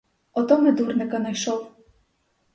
Ото ми дурника найшов!